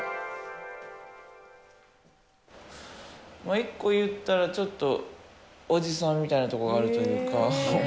一個言うたら、ちょっとおじさんみたいなところあるというか。